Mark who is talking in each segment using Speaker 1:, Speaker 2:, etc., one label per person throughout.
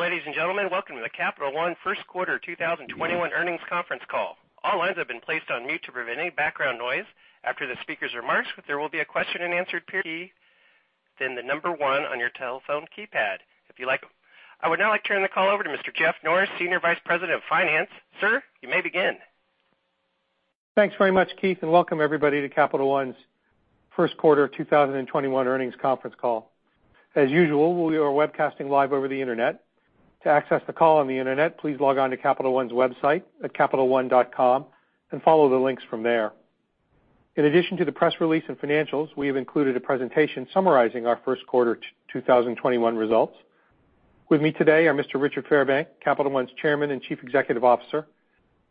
Speaker 1: Ladies and gentlemen, welcome to the Capital One first quarter 2021 earnings conference call. All lines have been placed on mute to prevent any background noise. After the speaker's remarks, there will be a question-and-answer period. ...then the number one on your telephone keypad. I would now like to turn the call over to Mr. Jeff Norris, Senior Vice President of Finance. Sir, you may begin.
Speaker 2: Thanks very much, Keith, and welcome everybody to Capital One's first quarter 2021 earnings conference call. As usual, we are webcasting live over the internet. To access the call on the internet, please log on to Capital One website at capitalone.com and follow the links from there. In addition to the press release and financials, we have included a presentation summarizing our first quarter 2021 results. With me today are Mr. Richard Fairbank, Capital One's Chairman and Chief Executive Officer,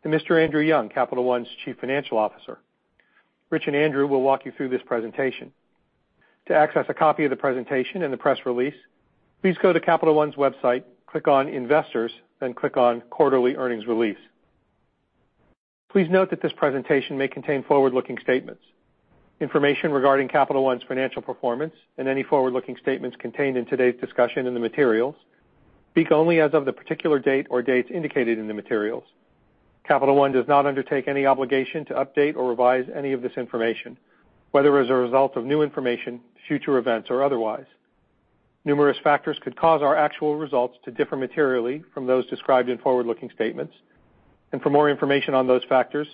Speaker 2: and Mr. Andrew Young, Capital One's Chief Financial Officer. Rich and Andrew will walk you through this presentation. To access a copy of the presentation and the press release, please go to Capital One's website, click on Investors, then click on Quarterly Earnings Release. Please note that this presentation may contain forward-looking statements. Information regarding Capital One's financial performance and any forward-looking statements contained in today's discussion and the materials speak only as of the particular date or dates indicated in the materials. Capital One does not undertake any obligation to update or revise any of this information, whether as a result of new information, future events, or otherwise. Numerous factors could cause our actual results to differ materially from those described in forward-looking statements. For more information on those factors,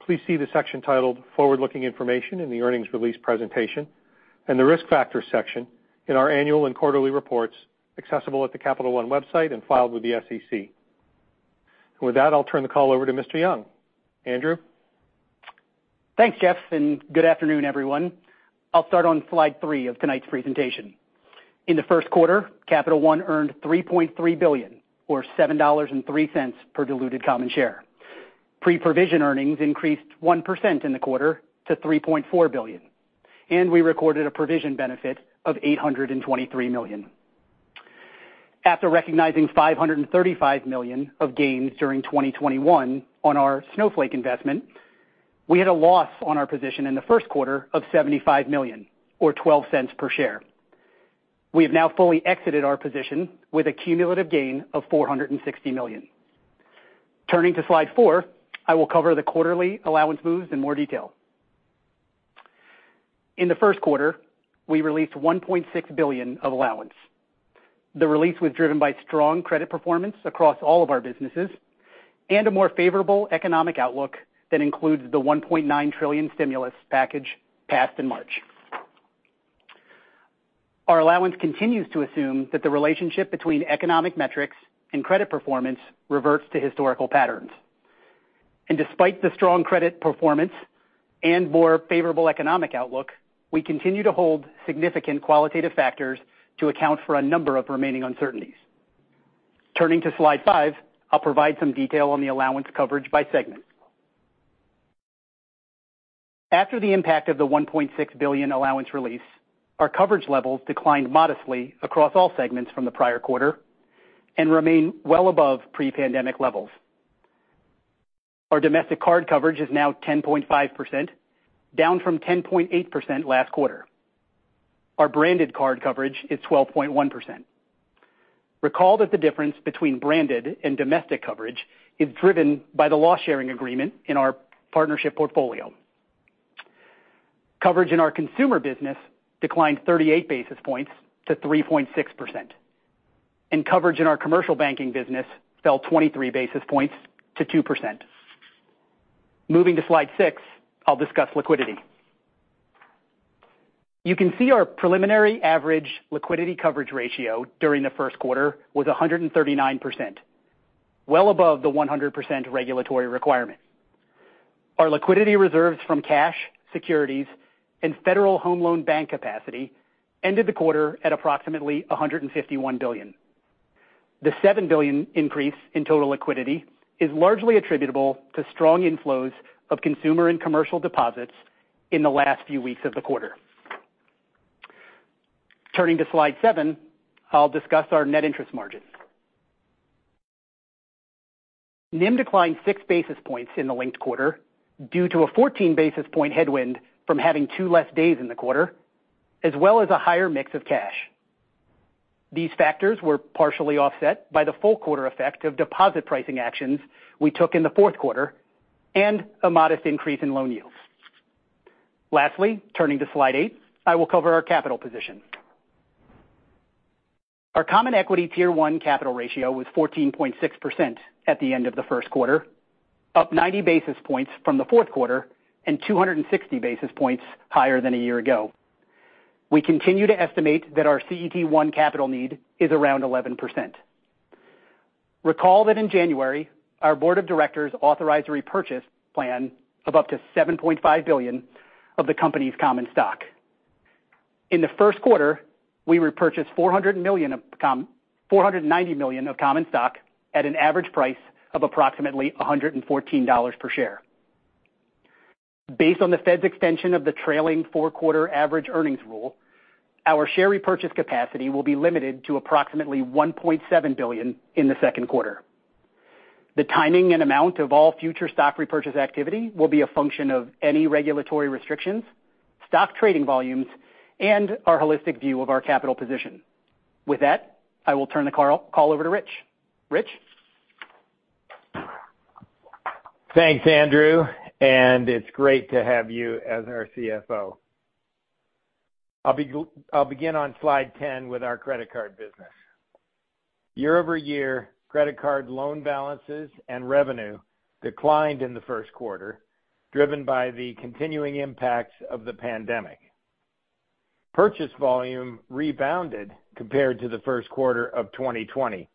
Speaker 2: please see the section titled Forward-Looking Information in the earnings release presentation and the Risk Factors section in our annual and quarterly reports accessible at the Capital One website and filed with the SEC. With that, I'll turn the call over to Mr. Young. Andrew?
Speaker 3: Thanks, Jeff. Good afternoon, everyone. I'll start on slide three of tonight's presentation. In the first quarter, Capital One earned $3.3 billion, or $7.03 per diluted common share. Pre-provision earnings increased 1% in the quarter to $3.4 billion. We recorded a provision benefit of $823 million. After recognizing $535 million of gains during 2021 on our Snowflake investment, we had a loss on our position in the first quarter of $75 million, or $0.12 per share. We have now fully exited our position with a cumulative gain of $460 million. Turning to slide four, I will cover the quarterly allowance moves in more detail. In the first quarter, we released $1.6 billion of allowance. The release was driven by strong credit performance across all of our businesses and a more favorable economic outlook that includes the $1.9 trillion stimulus package passed in March. Our allowance continues to assume that the relationship between economic metrics and credit performance reverts to historical patterns. Despite the strong credit performance and more favorable economic outlook, we continue to hold significant qualitative factors to account for a number of remaining uncertainties. Turning to slide five, I'll provide some detail on the allowance coverage by segment. After the impact of the $1.6 billion allowance release, our coverage levels declined modestly across all segments from the prior quarter and remain well above pre-pandemic levels. Our domestic card coverage is now 10.5%, down from 10.8% last quarter. Our branded card coverage is 12.1%. Recall that the difference between branded and domestic coverage is driven by the loss-sharing agreement in our partnership portfolio. Coverage in our consumer business declined 38 basis points to 3.6%. Coverage in our commercial banking business fell 23 basis points to 2%. Moving to slide six, I'll discuss liquidity. You can see our preliminary average liquidity coverage ratio during the first quarter was 139%, well above the 100% regulatory requirement. Our liquidity reserves from cash, securities, and Federal Home Loan Bank capacity ended the quarter at approximately $151 billion. The $7 billion increase in total liquidity is largely attributable to strong inflows of consumer and commercial deposits in the last few weeks of the quarter. Turning to slide seven, I'll discuss our net interest margin. NIM declined six basis points in the linked quarter due to a 14-basis-point headwind from having two less days in the quarter, as well as a higher mix of cash. These factors were partially offset by the full quarter effect of deposit pricing actions we took in the fourth quarter and a modest increase in loan yields. Lastly, turning to slide eight, I will cover our capital position. Our Common Equity Tier 1 capital ratio was 14.6% at the end of the first quarter, up 90 basis points from the fourth quarter and 260 basis points higher than a year ago. We continue to estimate that our CET1 capital need is around 11%. Recall that in January, our board of directors authorized a repurchase plan of up to $7.5 billion of the company's common stock. In the first quarter, we repurchased $490 million of common stock at an average price of approximately $114 per share. Based on the Fed's extension of the trailing four-quarter average earnings rule, our share repurchase capacity will be limited to approximately $1.7 billion in the second quarter. The timing and amount of all future stock repurchase activity will be a function of any regulatory restrictions, stock trading volumes, and our holistic view of our capital position. With that, I will turn the call over to Rich. Rich?
Speaker 4: Thanks, Andrew, and it's great to have you as our CFO. I'll begin on slide 10 with our credit card business. Year-over-year, credit card loan balances and revenue declined in the first quarter, driven by the continuing impacts of the pandemic. Purchase volume rebounded compared to the first quarter of 2020,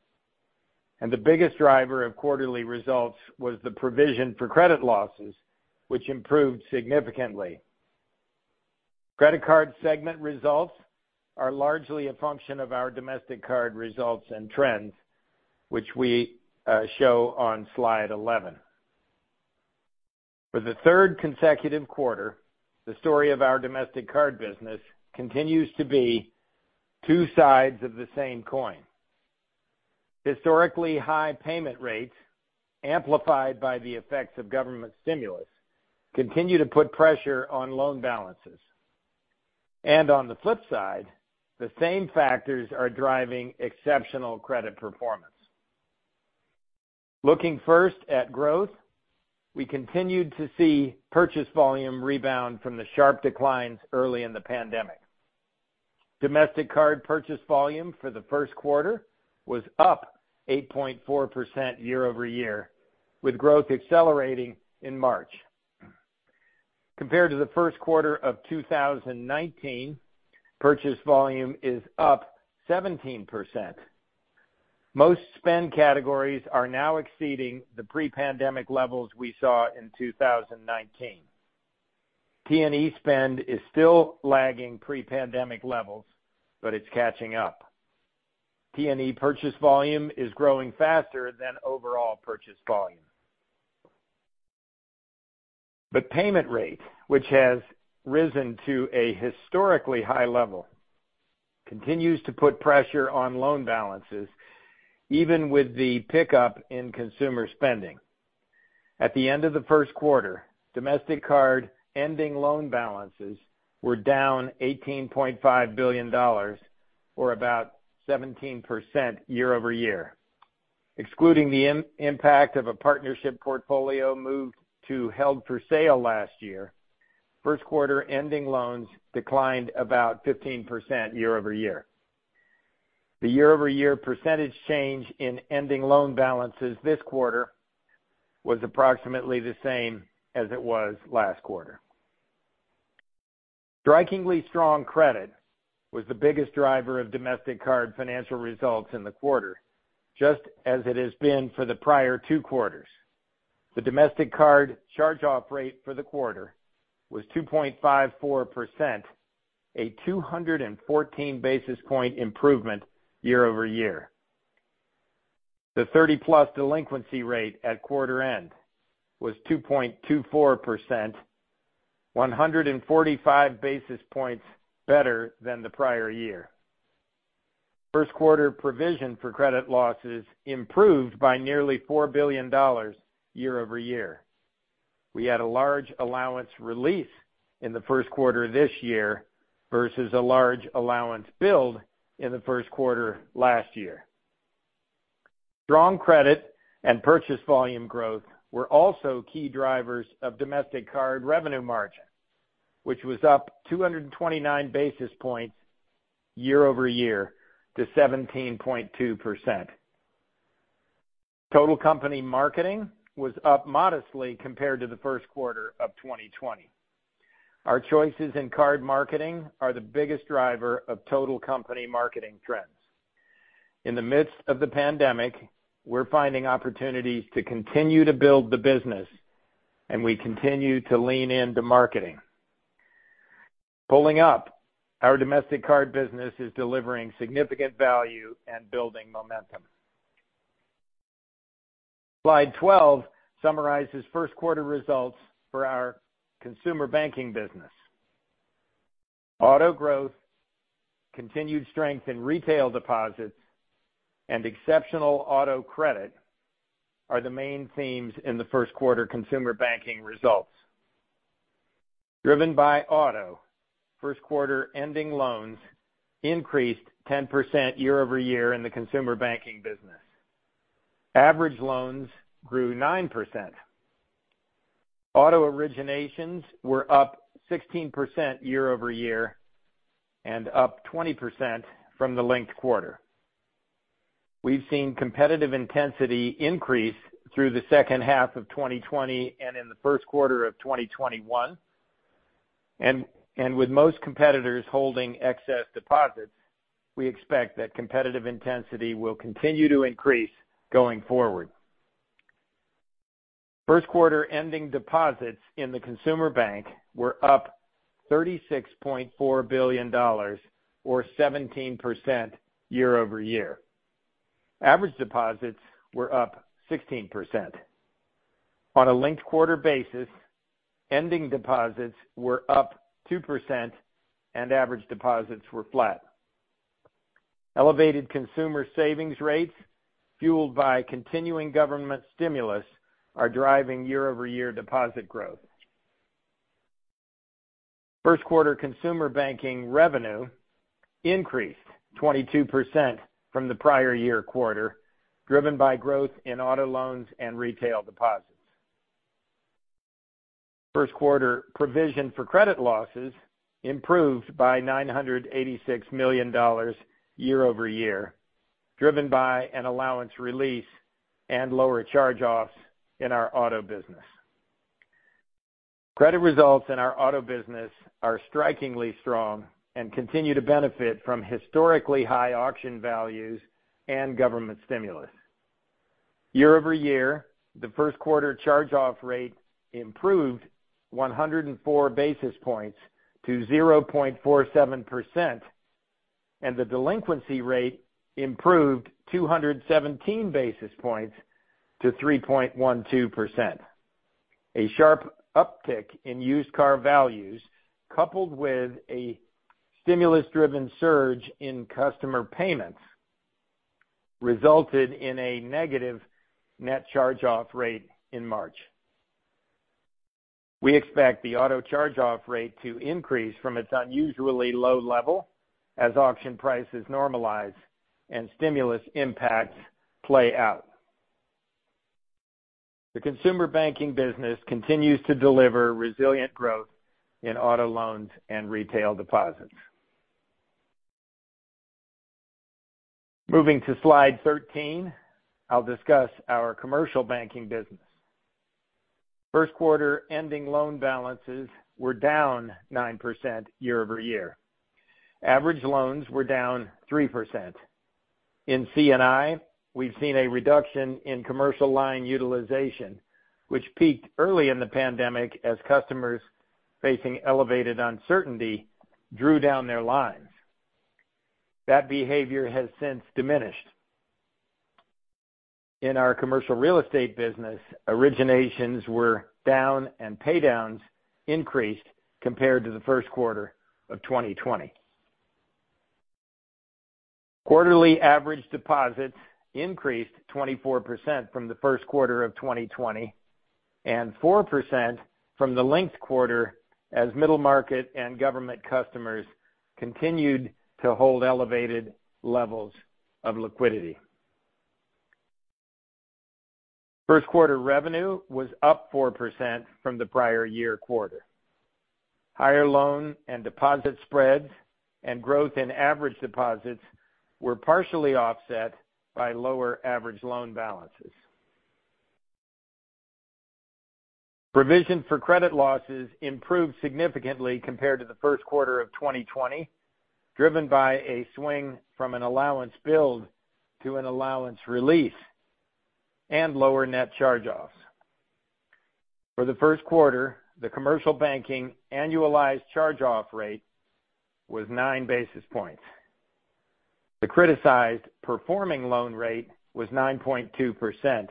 Speaker 4: the biggest driver of quarterly results was the provision for credit losses, which improved significantly. Credit card segment results are largely a function of our domestic card results and trends, which we show on slide 11. For the third consecutive quarter, the story of our domestic card business continues to be two sides of the same coin. Historically high payment rates, amplified by the effects of government stimulus, continue to put pressure on loan balances. On the flip side, the same factors are driving exceptional credit performance. Looking first at growth, we continued to see purchase volume rebound from the sharp declines early in the pandemic. Domestic card purchase volume for the first quarter was up 8.4% year-over-year, with growth accelerating in March. Compared to the first quarter of 2019, purchase volume is up 17%. Most spend categories are now exceeding the pre-pandemic levels we saw in 2019. T&E spend is still lagging pre-pandemic levels, but it's catching up. T&E purchase volume is growing faster than overall purchase volume. Payment rate, which has risen to a historically high level, continues to put pressure on loan balances, even with the pickup in consumer spending. At the end of the first quarter, domestic card ending loan balances were down $18.5 billion, or about 17% year-over-year. Excluding the impact of a partnership portfolio moved to held for sale last year, first quarter ending loans declined about 15% year-over-year. The year-over-year percentage change in ending loan balances this quarter was approximately the same as it was last quarter. Strikingly strong credit was the biggest driver of domestic card financial results in the quarter, just as it has been for the prior two quarters. The domestic card charge-off rate for the quarter was 2.54%, a 214 basis points improvement year-over-year. The 30-plus delinquency rate at quarter end was 2.24%, 145 basis points better than the prior year. First quarter provision for credit losses improved by nearly $4 billion year-over-year. We had a large allowance release in the first quarter of this year versus a large allowance build in the first quarter last year. Strong credit and purchase volume growth were also key drivers of domestic card revenue margin, which was up 229 basis points year-over-year to 17.2%. Total company marketing was up modestly compared to the first quarter of 2020. Our choices in card marketing are the biggest driver of total company marketing trends. In the midst of the pandemic, we're finding opportunities to continue to build the business, and we continue to lean into marketing. Pulling up, our domestic card business is delivering significant value and building momentum. Slide 12 summarizes first-quarter results for our consumer banking business. Auto growth, continued strength in retail deposits, and exceptional auto credit are the main themes in the first-quarter consumer banking results. Driven by auto, first-quarter ending loans increased 10% year-over-year in the consumer banking business. Average loans grew 9%. Auto originations were up 16% year-over-year and up 20% from the linked quarter. We've seen competitive intensity increase through the second half of 2020 and in the first quarter of 2021. With most competitors holding excess deposits, we expect that competitive intensity will continue to increase going forward. First quarter ending deposits in the consumer bank were up $36.4 billion, or 17% year-over-year. Average deposits were up 16%. On a linked-quarter basis, ending deposits were up 2% and average deposits were flat. Elevated consumer savings rates fueled by continuing government stimulus are driving year-over-year deposit growth. First quarter consumer banking revenue increased 22% from the prior year quarter, driven by growth in auto loans and retail deposits. First quarter provision for credit losses improved by $986 million year-over-year, driven by an allowance release and lower charge-offs in our auto business. Credit results in our auto business are strikingly strong and continue to benefit from historically high auction values and government stimulus. Year-over-year, the first quarter charge-off rate improved 104 basis points to 0.47%, and the delinquency rate improved 217 basis points to 3.12%. A sharp uptick in used car values, coupled with a stimulus-driven surge in customer payments, resulted in a negative net charge-off rate in March. We expect the auto charge-off rate to increase from its unusually low level as auction prices normalize and stimulus impacts play out. The consumer banking business continues to deliver resilient growth in auto loans and retail deposits. Moving to slide 13, I'll discuss our commercial banking business. First quarter ending loan balances were down 9% year-over-year. Average loans were down 3%. In C&I, we've seen a reduction in commercial line utilization, which peaked early in the pandemic as customers facing elevated uncertainty drew down their lines. That behavior has since diminished. In our commercial real estate business, originations were down and pay-downs increased compared to the first quarter of 2020. Quarterly average deposits increased 24% from the first quarter of 2020 and 4% from the linked quarter as middle market and government customers continued to hold elevated levels of liquidity. First quarter revenue was up 4% from the prior year quarter. Higher loan and deposit spreads and growth in average deposits were partially offset by lower average loan balances. Provision for credit losses improved significantly compared to the first quarter of 2020, driven by a swing from an allowance build to an allowance release and lower net charge-offs. For the first quarter, the commercial banking annualized charge-off rate was nine basis points. The criticized performing loan rate was 9.2%,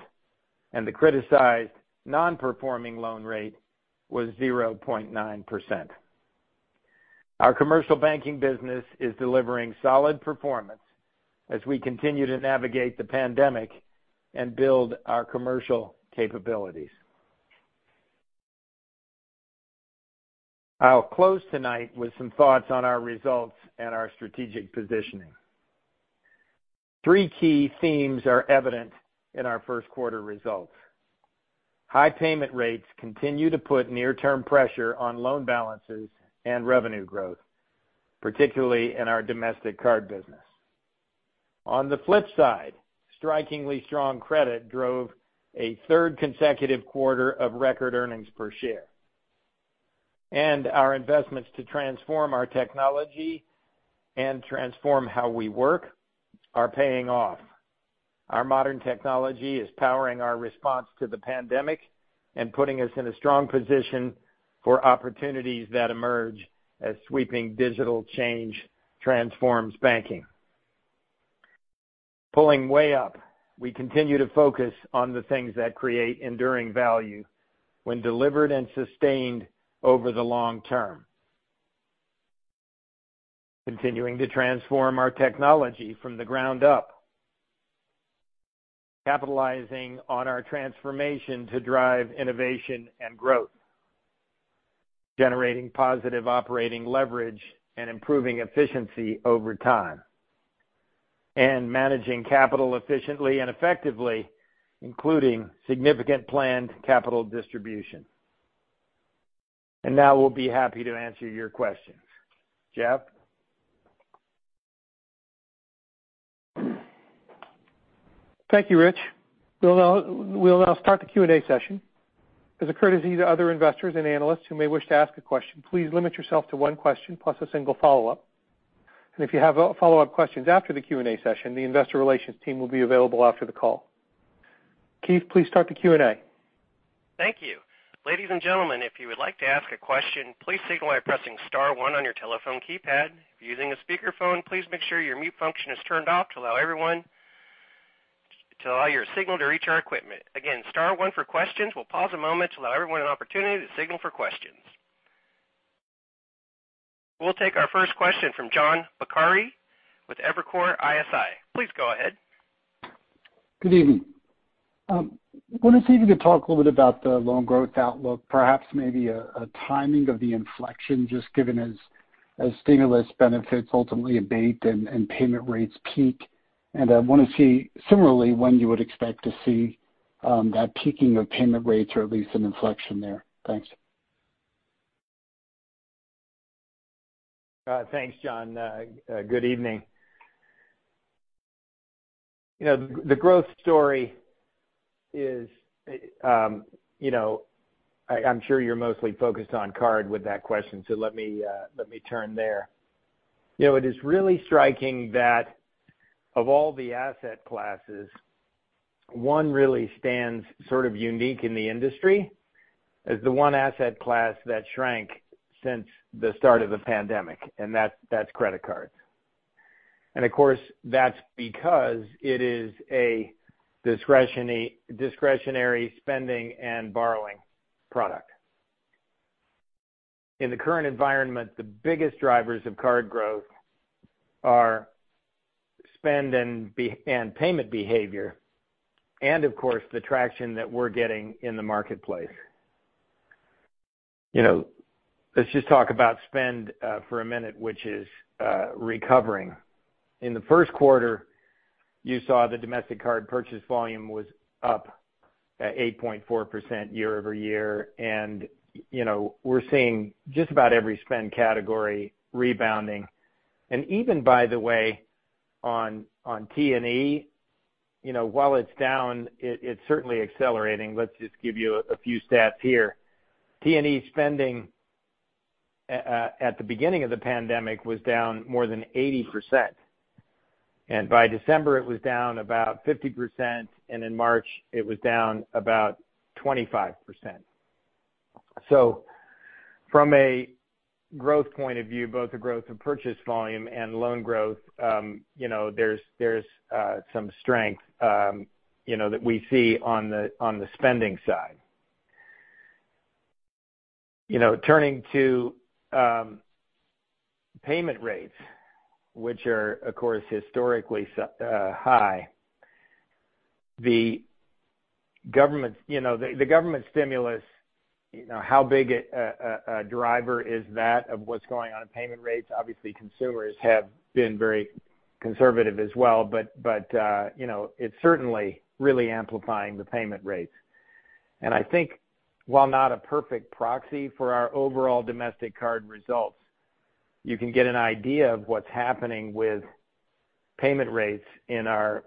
Speaker 4: and the criticized non-performing loan rate was 0.9%. Our commercial banking business is delivering solid performance as we continue to navigate the pandemic and build our commercial capabilities. I'll close tonight with some thoughts on our results and our strategic positioning. Three key themes are evident in our first quarter results. High payment rates continue to put near-term pressure on loan balances and revenue growth, particularly in our domestic card business. On the flip side, strikingly strong credit drove a third consecutive quarter of record earnings per share. Our investments to transform our technology and transform how we work are paying off. Our modern technology is powering our response to the pandemic and putting us in a strong position for opportunities that emerge as sweeping digital change transforms banking. Pulling way up, we continue to focus on the things that create enduring value when delivered and sustained over the long term. Continuing to transform our technology from the ground up. Capitalizing on our transformation to drive innovation and growth. Generating positive operating leverage and improving efficiency over time. Managing capital efficiently and effectively, including significant planned capital distribution. Now we'll be happy to answer your questions. Jeff?
Speaker 2: Thank you, Rich. We'll now start the Q&A session. As a courtesy to other investors and analysts who may wish to ask a question, please limit yourself to one question plus a single follow-up. If you have follow-up questions after the Q&A session, the investor relations team will be available after the call. Keith, please start the Q&A.
Speaker 1: Thank you. Ladies and gentlemen, if you would like to ask a question, please signal by pressing star one on your telephone keypad. If you're using a speakerphone, please make sure your mute function is turned off to allow your signal to reach our equipment. Again, star one for questions. We'll pause a moment to allow everyone an opportunity to signal for questions. We'll take our first question from John Pancari with Evercore ISI. Please go ahead.
Speaker 5: Good evening. I wanted you to talk a little bit about the loan growth outlook, perhaps maybe a timing of the inflection, just given as stimulus benefits ultimately abate and payment rates peak. I want to see, similarly, when you would expect to see that peaking of payment rates or at least an inflection there. Thanks.
Speaker 4: Thanks, John. Good evening. The growth story is I'm sure you're mostly focused on card with that question, so let me turn there. It is really striking that of all the asset classes, one really stands sort of unique in the industry as the one asset class that shrank since the start of the pandemic, and that's credit cards. Of course, that's because it is a discretionary spending and borrowing product. In the current environment, the biggest drivers of card growth are spend and payment behavior, and of course, the traction that we're getting in the marketplace. Let's just talk about spend for a minute, which is recovering. In the first quarter, you saw the domestic card purchase volume was up at 8.4% year-over-year. We're seeing just about every spend category rebounding. Even, by the way, on T&E, while it's down, it's certainly accelerating. Let's just give you a few stats here. T&E spending at the beginning of the pandemic was down more than 80%, and by December it was down about 50%, and in March it was down about 25%. From a growth point of view, both the growth of purchase volume and loan growth, there's some strength that we see on the spending side. Turning to payment rates, which are, of course, historically high. The government stimulus, how big a driver is that of what's going on in payment rates? Obviously, consumers have been very conservative as well, but it's certainly really amplifying the payment rates. I think while not a perfect proxy for our overall domestic card results, you can get an idea of what's happening with payment rates in our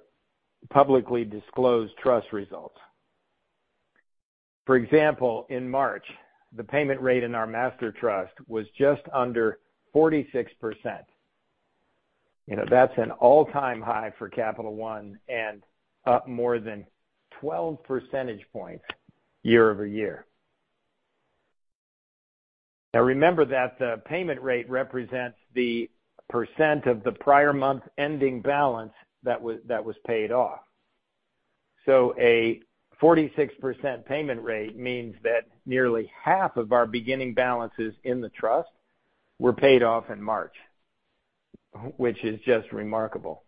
Speaker 4: publicly disclosed trust results. For example, in March, the payment rate in our master trust was just under 46%. That's an all-time high for Capital One and up more than 12 percentage points year-over-year. Remember that the payment rate represents the percent of the prior month ending balance that was paid off. A 46% payment rate means that nearly half of our beginning balances in the trust were paid off in March, which is just remarkable.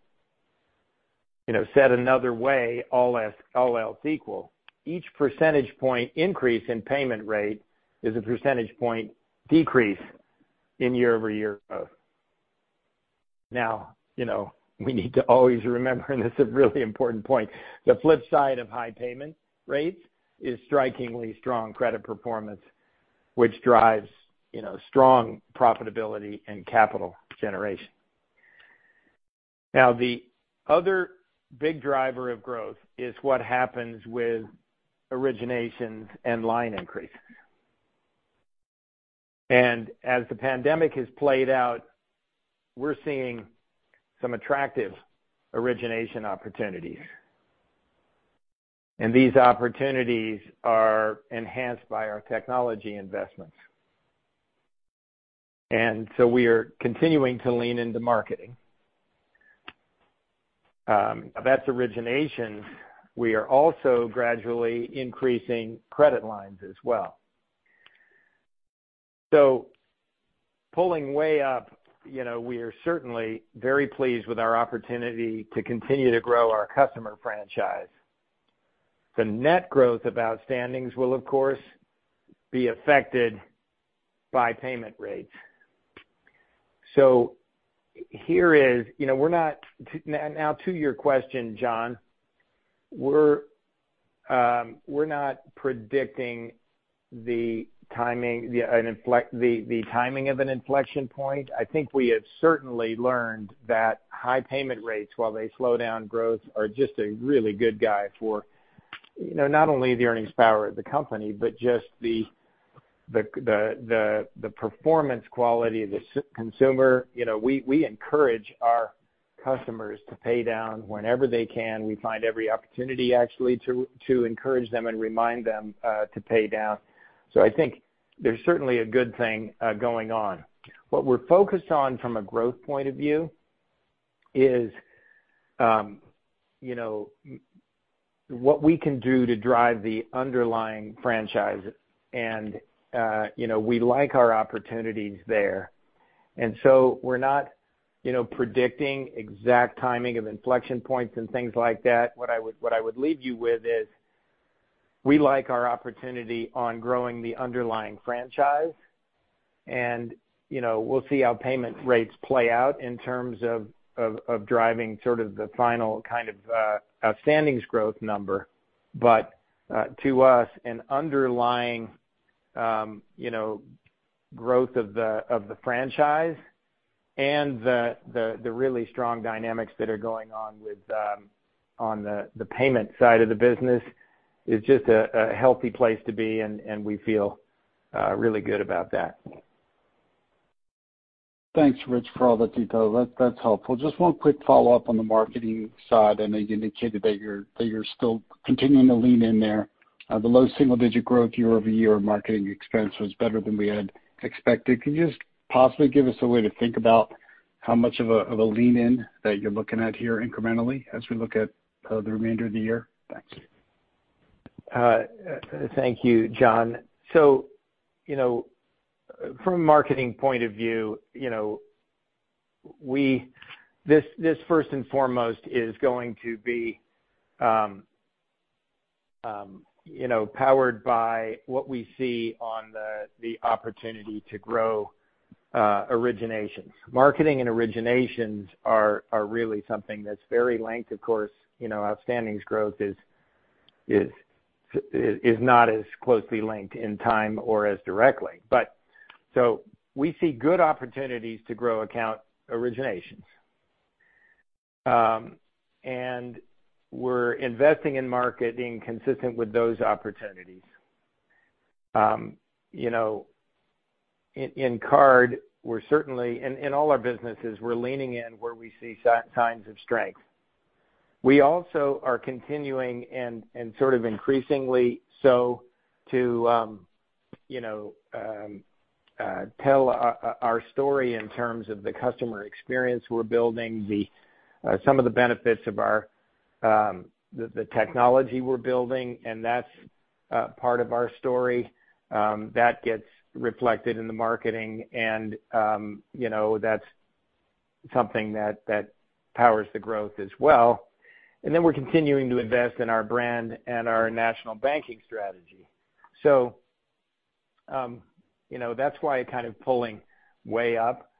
Speaker 4: Said another way, all else equal, each one percentage point increase in payment rate is a one percentage point decrease in year-over-year growth. We need to always remember, it's a really important point, the flip side of high payment rates is strikingly strong credit performance, which drives strong profitability and capital generation. The other big driver of growth is what happens with originations and line increases. As the pandemic has played out, we're seeing some attractive origination opportunities. These opportunities are enhanced by our technology investments. We are continuing to lean into marketing. That's origination. We are also gradually increasing credit lines as well. Pulling way up, we are certainly very pleased with our opportunity to continue to grow our customer franchise. The net growth of outstandings will, of course, be affected by payment rates. Now to your question, John, we're not predicting the timing of an inflection point. I think we have certainly learned that high payment rates, while they slow down growth, are just a really good guide for not only the earnings power of the company, but just the performance quality of the consumer. We encourage our customers to pay down whenever they can. We find every opportunity, actually, to encourage them and remind them to pay down. I think there's certainly a good thing going on. What we're focused on from a growth point of view is what we can do to drive the underlying franchise. We like our opportunities there. We're not predicting exact timing of inflection points and things like that. What I would leave you with is we like our opportunity on growing the underlying franchise. We'll see how payment rates play out in terms of driving sort of the final kind of outstandings growth number. To us, an underlying growth of the franchise and the really strong dynamics that are going on with on the payment side of the business is just a healthy place to be, and we feel really good about that.
Speaker 5: Thanks, Rich, for all the detail. That's helpful. Just one quick follow-up on the marketing side. I know you indicated that you're still continuing to lean in there. The low single-digit growth year-over-year marketing expense was better than we had expected. Can you just possibly give us a way to think about how much of a lean in that you're looking at here incrementally as we look at the remainder of the year? Thanks.
Speaker 4: Thank you, John. From a marketing point of view, this first and foremost is going to be powered by what we see on the opportunity to grow originations. Marketing and originations are really something that's very linked. Of course, outstandings growth is not as closely linked in time or as directly. We see good opportunities to grow account originations. We're investing in marketing consistent with those opportunities. In card, in all our businesses, we're leaning in where we see signs of strength. We also are continuing and sort of increasingly so to tell our story in terms of the customer experience we're building, some of the benefits of the technology we're building, and that's part of our story. That gets reflected in the marketing, and that's something that powers the growth as well. We're continuing to invest in our brand and our national banking strategy. That's why kind of pulling way up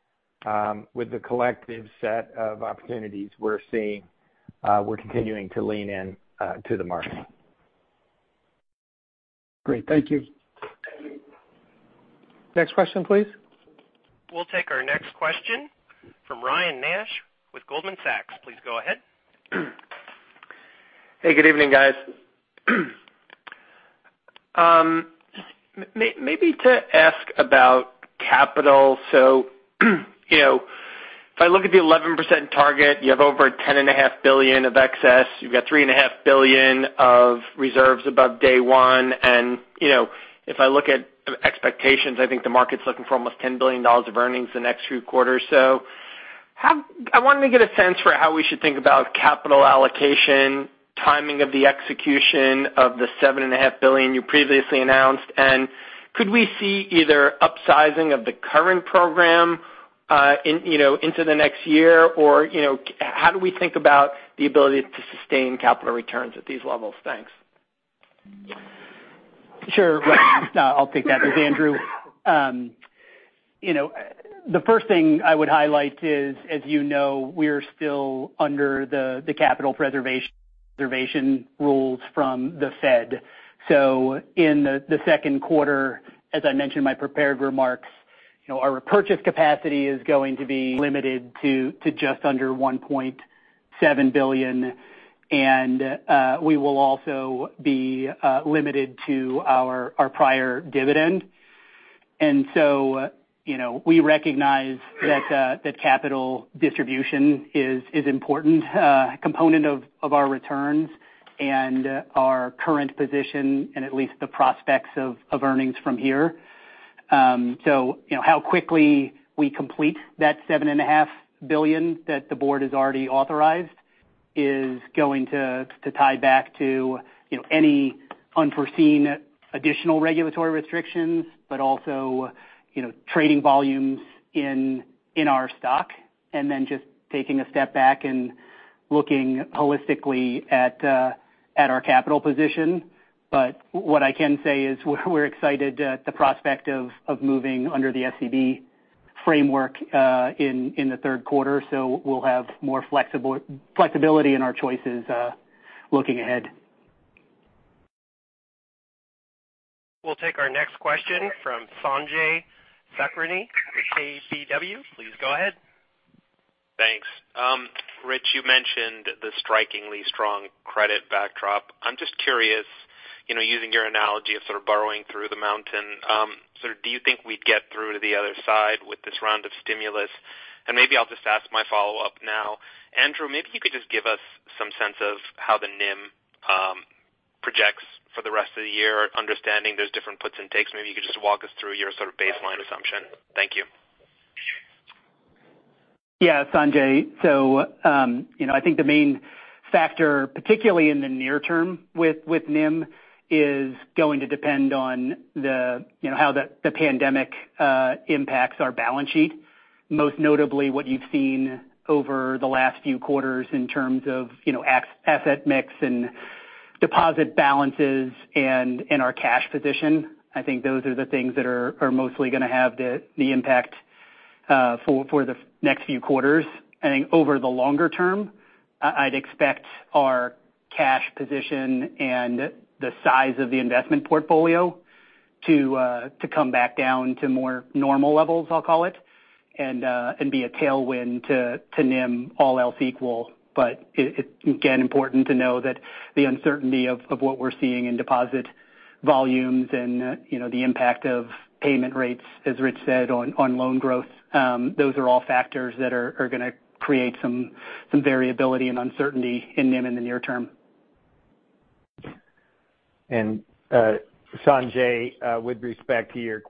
Speaker 4: with the collective set of opportunities we're seeing. We're continuing to lean in to the market.
Speaker 5: Great. Thank you.
Speaker 2: Next question, please.
Speaker 1: We'll take our next question from Ryan Nash with Goldman Sachs. Please go ahead.
Speaker 6: Hey, good evening, guys. Maybe to ask about capital. If I look at the 11% target, you have over $10.5 billion of excess. You've got $3.5 billion of reserves above day one. If I look at expectations, I think the market's looking for almost $10 billion of earnings the next few quarters. I wanted to get a sense for how we should think about capital allocation, timing of the execution of the $7.5 billion you previously announced, and could we see either upsizing of the current program into the next year? How do we think about the ability to sustain capital returns at these levels? Thanks.
Speaker 3: Sure. I'll take that. This is Andrew. The first thing I would highlight is, as you know, we’re still under the capital preservation rules from the Fed. In the second quarter, as I mentioned in my prepared remarks, our repurchase capacity is going to be limited to just under $1.7 billion. We will also be limited to our prior dividend. We recognize that capital distribution is an important component of our returns and our current position and at least the prospects of earnings from here. How quickly we complete that $7.5 billion that the Board has already authorized is going to tie back to any unforeseen additional regulatory restrictions but also trading volumes in our stock, and then just taking a step back and looking holistically at our capital position. What I can say is we're excited at the prospect of moving under the SCB framework in the third quarter. We'll have more flexibility in our choices looking ahead.
Speaker 1: We'll take our next question from Sanjay Sakhrani with KBW. Please go ahead.
Speaker 7: Thanks. Rich, you mentioned the strikingly strong credit backdrop. I'm just curious, using your analogy of sort of burrowing through the mountain, do you think we'd get through to the other side with this round of stimulus? Maybe I'll just ask my follow-up now. Andrew, maybe you could just give us some sense of how the NIM projects for the rest of the year, understanding there's different puts and takes. Maybe you could just walk us through your sort of baseline assumption. Thank you.
Speaker 3: Yeah, Sanjay. I think the main factor, particularly in the near term with NIM is going to depend on how the pandemic impacts our balance sheet. Most notably what you've seen over the last few quarters in terms of asset mix and deposit balances and in our cash position. I think those are the things that are mostly going to have the impact for the next few quarters. I think over the longer term, I'd expect our cash position and the size of the investment portfolio to come back down to more normal levels, I'll call it, and be a tailwind to NIM, all else equal. It's, again, important to know that the uncertainty of what we're seeing in deposit volumes and the impact of payment rates, as Rich said, on loan growth, those are all factors that are going to create some variability and uncertainty in NIM in the near term.
Speaker 4: Sanjay, with respect to your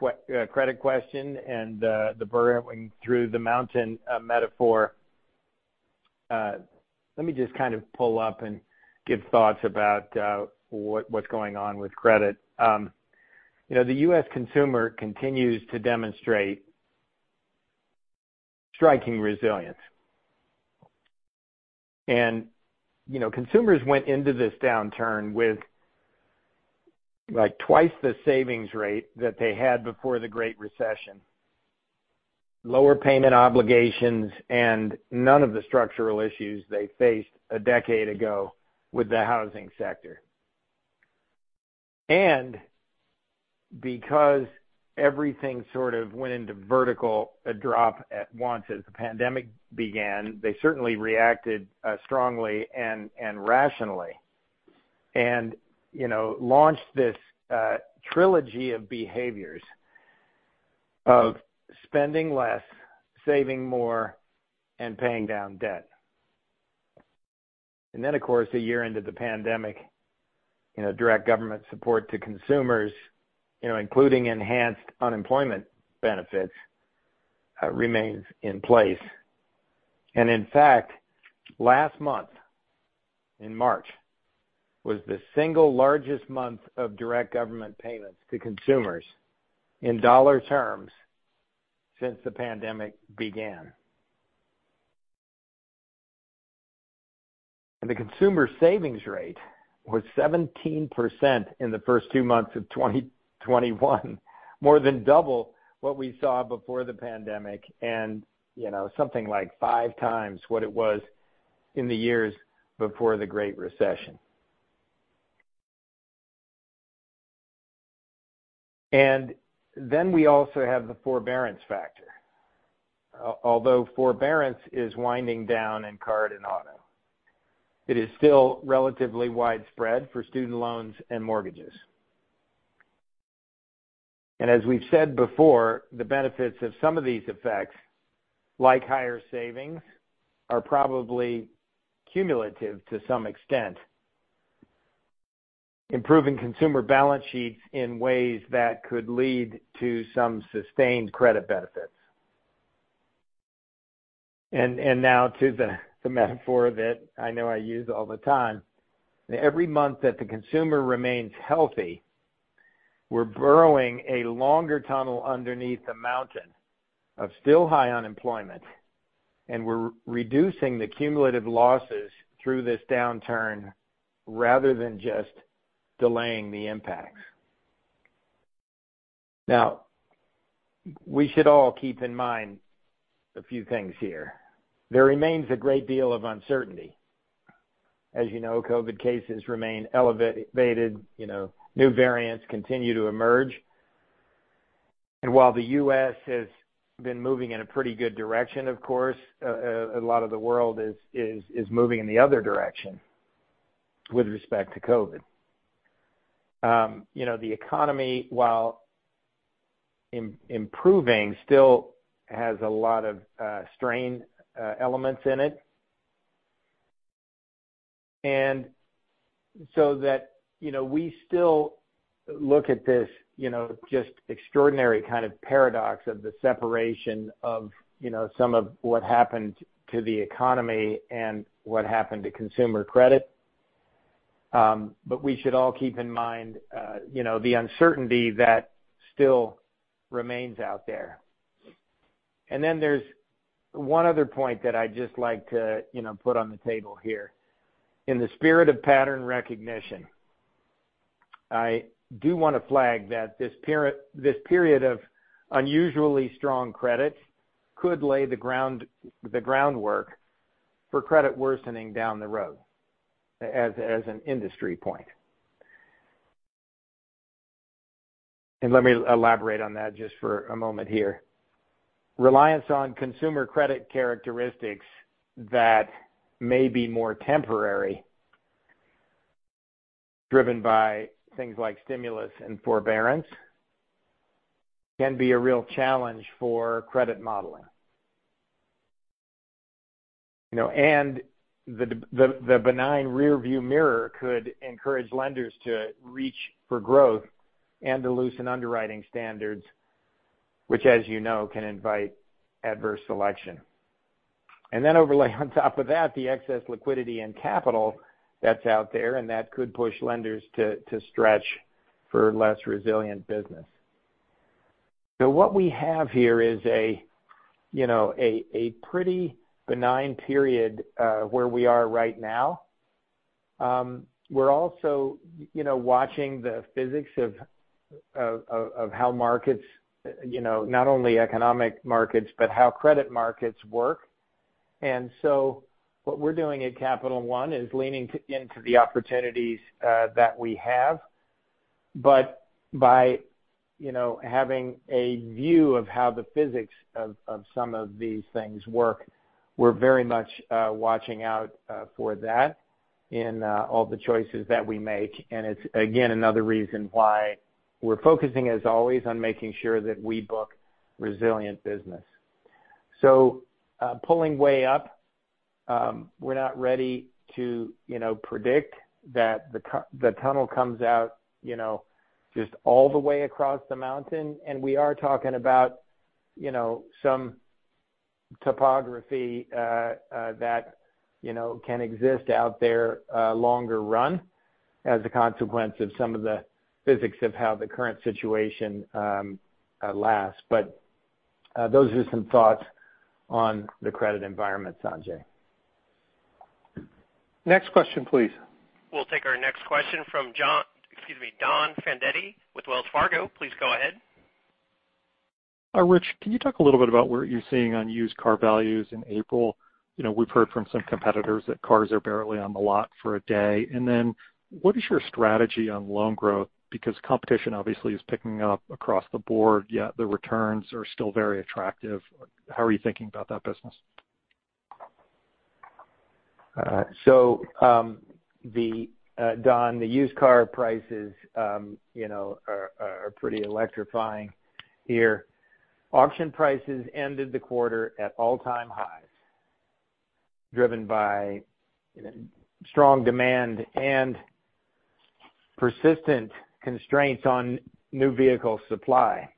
Speaker 4: credit question and the burrowing through the mountain metaphor, let me just kind of pull up and give thoughts about what's going on with credit. The U.S. consumer continues to demonstrate striking resilience. Consumers went into this downturn with twice the savings rate that they had before the Great Recession, lower payment obligations, and none of the structural issues they faced a decade ago with the housing sector. Because everything sort of went into vertical drop at once as the pandemic began, they certainly reacted strongly and rationally and launched this trilogy of behaviors of spending less, saving more, and paying down debt. Of course, a year into the pandemic, direct government support to consumers, including enhanced unemployment benefits, remains in place. In fact, last month, in March, was the single largest month of direct government payments to consumers in dollar terms since the pandemic began. The consumer savings rate was 17% in the first two months of 2021, more than double what we saw before the pandemic and something like five times what it was in the years before the Great Recession. Then we also have the forbearance factor. Although forbearance is winding down in card and auto, it is still relatively widespread for student loans and mortgages. As we've said before, the benefits of some of these effects, like higher savings, are probably cumulative to some extent, improving consumer balance sheets in ways that could lead to some sustained credit benefits. Now to the metaphor that I know I use all the time. Every month that the consumer remains healthy, we're burrowing a longer tunnel underneath a mountain of still high unemployment, and we're reducing the cumulative losses through this downturn rather than just delaying the impacts. We should all keep in mind a few things here. There remains a great deal of uncertainty. As you know, COVID cases remain elevated. New variants continue to emerge. While the U.S. has been moving in a pretty good direction, of course, a lot of the world is moving in the other direction with respect to COVID. The economy, while improving, still has a lot of strain elements in it. We still look at this just extraordinary kind of paradox of the separation of some of what happened to the economy and what happened to consumer credit. We should all keep in mind the uncertainty that still remains out there. Then there's one other point that I'd just like to put on the table here. In the spirit of pattern recognition, I do want to flag that this period of unusually strong credit could lay the groundwork for credit worsening down the road as an industry point. Let me elaborate on that just for a moment here. Reliance on consumer credit characteristics that may be more temporary, driven by things like stimulus and forbearance, can be a real challenge for credit modeling. The benign rearview mirror could encourage lenders to reach for growth and to loosen underwriting standards, which as you know can invite adverse selection. Then overlay on top of that, the excess liquidity and capital that's out there, that could push lenders to stretch for less resilient business. What we have here is a pretty benign period, where we are right now. We're also watching the physics of how markets, not only economic markets, but how credit markets work. What we're doing at Capital One is leaning into the opportunities that we have. By having a view of how the physics of some of these things work, we're very much watching out for that in all the choices that we make. It's, again, another reason why we're focusing, as always, on making sure that we book resilient business. Pulling way up, we're not ready to predict that the tunnel comes out just all the way across the mountain. We are talking about some topography that can exist out there longer run as a consequence of some of the physics of how the current situation lasts. Those are some thoughts on the credit environment, Sanjay.
Speaker 2: Next question, please.
Speaker 1: We'll take our next question from John, excuse me, Don Fandetti with Wells Fargo. Please go ahead.
Speaker 8: Hi, Rich, can you talk a little bit about what you're seeing on used car values in April? We've heard from some competitors that cars are barely on the lot for a day. Then what is your strategy on loan growth? Because competition obviously is picking up across the board, yet the returns are still very attractive. How are you thinking about that business?
Speaker 4: Don, the used car prices are pretty electrifying here. Auction prices ended the quarter at all-time highs, driven by strong demand and persistent constraints on new vehicle supply.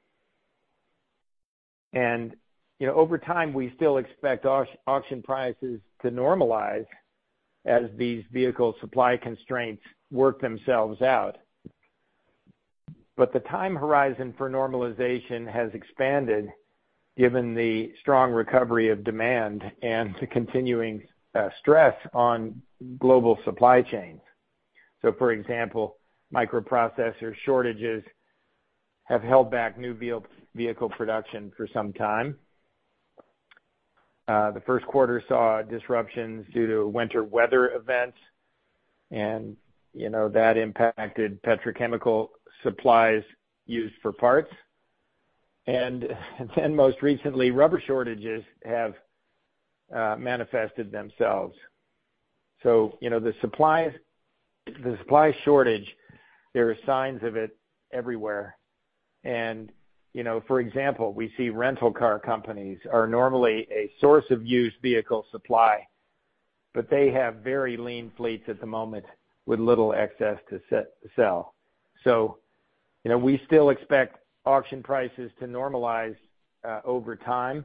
Speaker 4: Over time, we still expect auction prices to normalize as these vehicle supply constraints work themselves out. The time horizon for normalization has expanded given the strong recovery of demand and the continuing stress on global supply chains. For example, microprocessor shortages have held back new vehicle production for some time. The first quarter saw disruptions due to winter weather events and that impacted petrochemical supplies used for parts. Then most recently, rubber shortages have manifested themselves. The supply shortage, there are signs of it everywhere. For example, we see rental car companies are normally a source of used vehicle supply, but they have very lean fleets at the moment with little excess to sell. We still expect auction prices to normalize over time.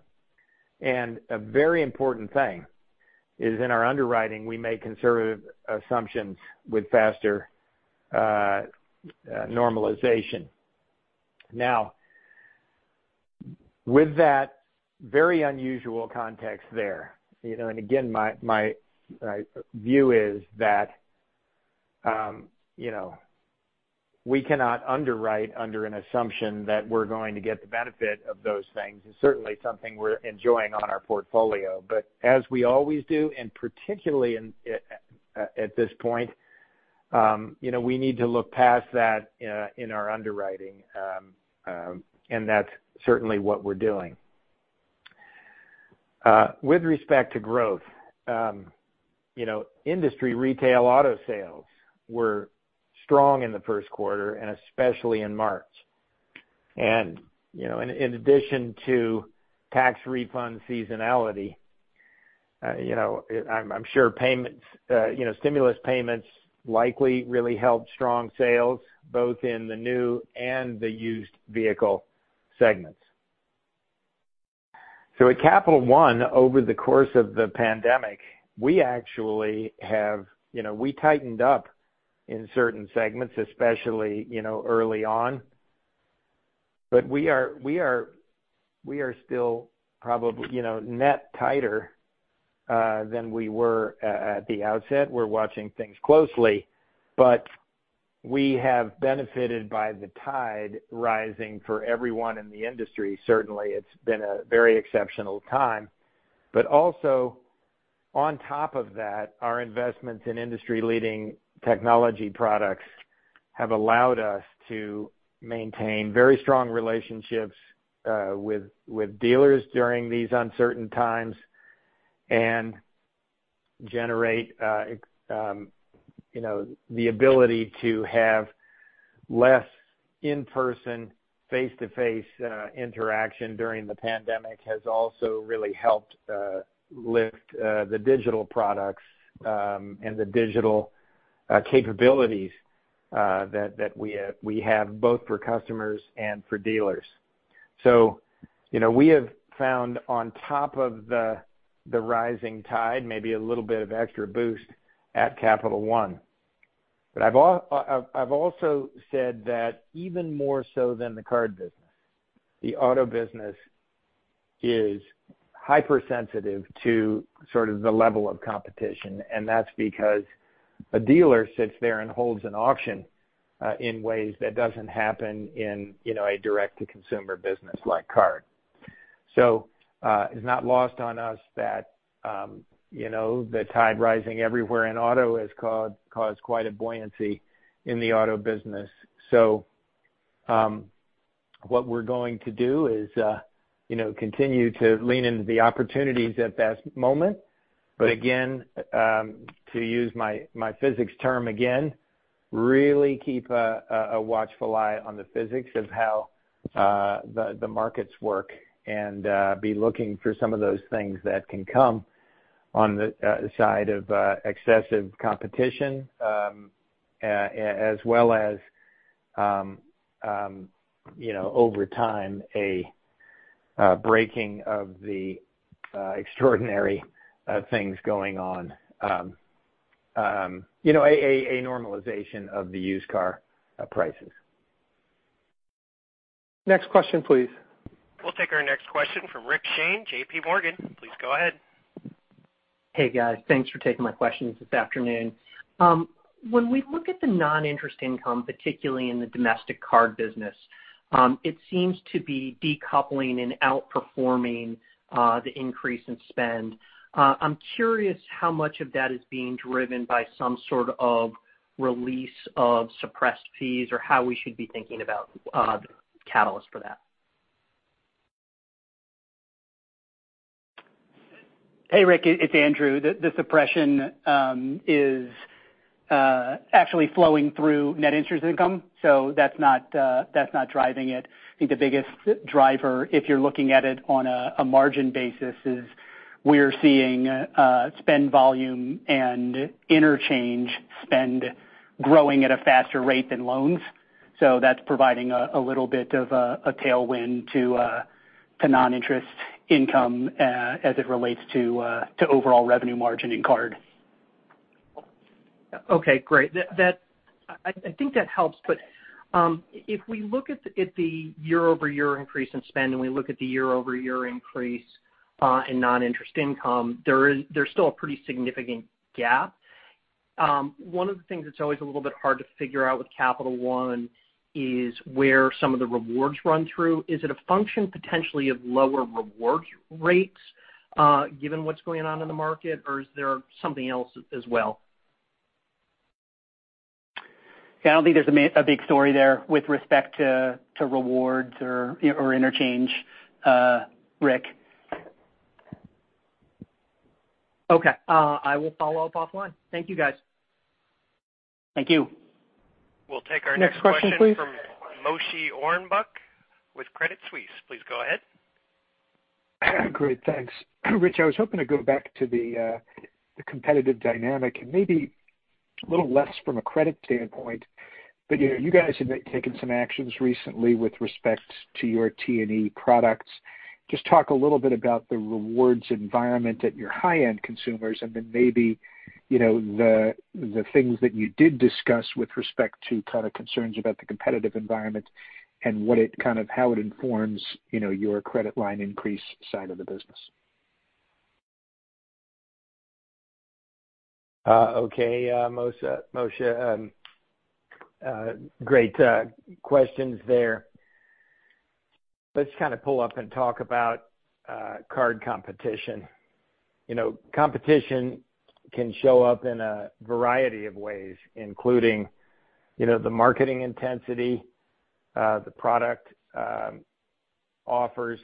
Speaker 4: A very important thing is in our underwriting, we make conservative assumptions with faster normalization. With that very unusual context there, again my view is that we cannot underwrite under an assumption that we're going to get the benefit of those things. It's certainly something we're enjoying on our portfolio, but as we always do, and particularly at this point, we need to look past that in our underwriting. That's certainly what we're doing. With respect to growth, industry retail auto sales were strong in the first quarter and especially in March. In addition to tax refund seasonality, I'm sure stimulus payments likely really helped strong sales both in the new and the used vehicle segments. At Capital One, over the course of the pandemic, we actually tightened up in certain segments, especially early on. We are still probably net tighter than we were at the outset. We're watching things closely, but we have benefited by the tide rising for everyone in the industry. Certainly it's been a very exceptional time, but also on top of that, our investments in industry-leading technology products have allowed us to maintain very strong relationships with dealers during these uncertain times, and generate the ability to have less in-person, face-to-face interaction during the pandemic has also really helped lift the digital products and the digital capabilities that we have both for customers and for dealers. We have found on top of the rising tide, maybe a little bit of extra boost at Capital One. I've also said that even more so than the card business, the auto business is hypersensitive to sort of the level of competition, and that's because a dealer sits there and holds an auction in ways that doesn't happen in a direct-to-consumer business like card. It's not lost on us that the tide rising everywhere in auto has caused quite a buoyancy in the auto business. What we're going to do is continue to lean into the opportunities at that moment. Again, to use my physics term again, really keep a watchful eye on the physics of how the markets work and be looking for some of those things that can come on the side of excessive competition as well as over time, a breaking of the extraordinary things going on. A normalization of the used car prices.
Speaker 2: Next question, please.
Speaker 1: We'll take our next question from Rick Shane, JPMorgan. Please go ahead.
Speaker 9: Hey, guys. Thanks for taking my questions this afternoon. We look at the non-interest income, particularly in the domestic card business, it seems to be decoupling and outperforming the increase in spend. I'm curious how much of that is being driven by some sort of release of suppressed fees or how we should be thinking about the catalyst for that.
Speaker 3: Hey, Rick, it's Andrew. The suppression is actually flowing through net interest income, so that's not driving it. I think the biggest driver, if you're looking at it on a margin basis, is we're seeing spend volume and interchange spend growing at a faster rate than loans. That's providing a little bit of a tailwind to non-interest income as it relates to overall revenue margin in card.
Speaker 9: Okay, great. I think that helps. If we look at the year-over-year increase in spend and we look at the year-over-year increase in non-interest income, there's still a pretty significant gap. One of the things that's always a little bit hard to figure out with Capital One is where some of the rewards run through. Is it a function potentially of lower rewards rates given what's going on in the market? Is there something else as well?
Speaker 3: I don't think there's a big story there with respect to rewards or interchange, Rick.
Speaker 9: Okay. I will follow up offline. Thank you, guys.
Speaker 3: Thank you.
Speaker 1: We'll take our next question-
Speaker 2: Next question, please.
Speaker 1: -from Moshe Orenbuch with Credit Suisse. Please go ahead.
Speaker 10: Great. Thanks. Rich, I was hoping to go back to the competitive dynamic and maybe a little less from a credit standpoint. You guys have taken some actions recently with respect to your T&E products. Just talk a little bit about the rewards environment at your high-end consumers, and then maybe the things that you did discuss with respect to kind of concerns about the competitive environment and how it informs your credit line increase side of the business.
Speaker 4: Okay. Moshe, great questions there. Let's kind of pull up and talk about card competition. Competition can show up in a variety of ways, including the marketing intensity, the product offers,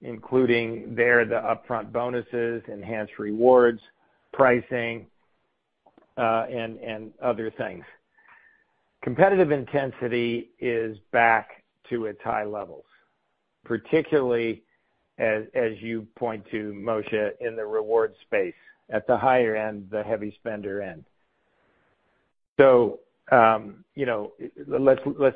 Speaker 4: including there the upfront bonuses, enhanced rewards, pricing, and other things. Competitive intensity is back to its high levels, particularly as you point to, Moshe, in the reward space at the higher end, the heavy spender end. Let's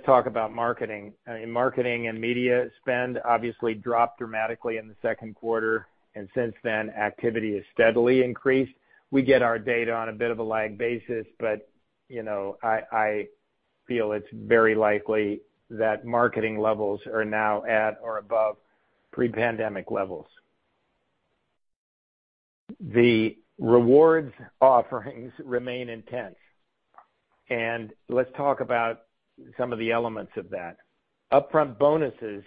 Speaker 4: talk about marketing. Marketing and media spend obviously dropped dramatically in the second quarter, and since then activity has steadily increased. We get our data on a bit of a lag basis, but I feel it's very likely that marketing levels are now at or above pre-pandemic levels. The rewards offerings remain intense. Let's talk about some of the elements of that. Upfront bonuses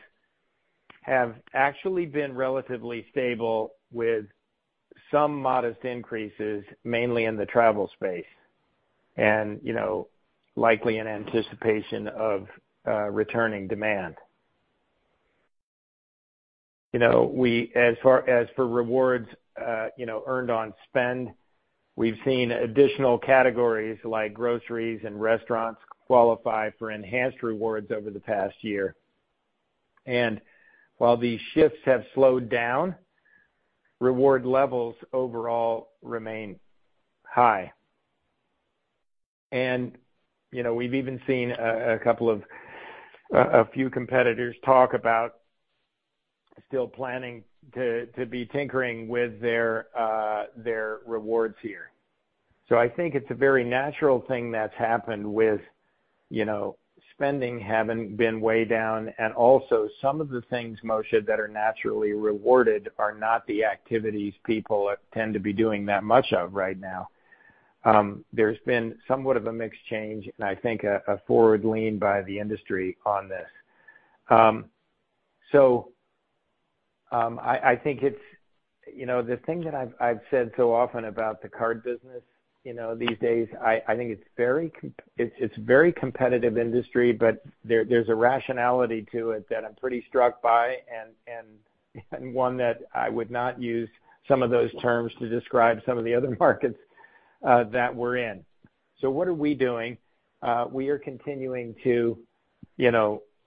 Speaker 4: have actually been relatively stable with some modest increases, mainly in the travel space and likely in anticipation of returning demand. As for rewards earned on spend, we've seen additional categories like groceries and restaurants qualify for enhanced rewards over the past year. While these shifts have slowed down, reward levels overall remain high. We've even seen a few competitors talk about still planning to be tinkering with their rewards here. I think it's a very natural thing that's happened with spending having been way down, and also some of the things, Moshe, that are naturally rewarded are not the activities people tend to be doing that much of right now. There's been somewhat of a mix change, and I think a forward lean by the industry on this. I think the thing that I've said so often about the card business these days, I think it's a very competitive industry, but there's a rationality to it that I'm pretty struck by, and one that I would not use some of those terms to describe some of the other markets that we're in. What are we doing? We are continuing to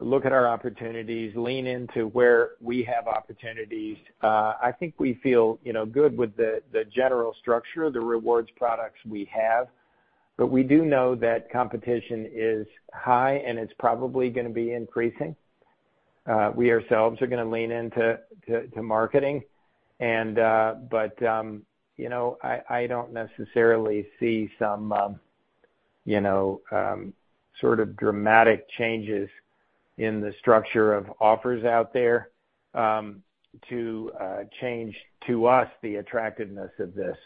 Speaker 4: look at our opportunities, lean into where we have opportunities. I think we feel good with the general structure of the rewards products we have. We do know that competition is high, and it's probably going to be increasing. We ourselves are going to lean into marketing. I don't necessarily see some sort of dramatic changes in the structure of offers out there to change to us the attractiveness of this.